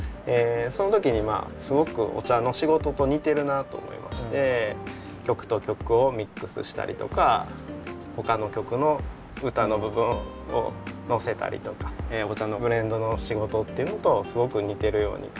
その時にすごくお茶の仕事と似てるなと思いまして曲と曲をミックスしたりとかほかの曲の歌の部分を乗せたりとかお茶のブレンドの仕事っていうのとすごく似てるように感じましたね。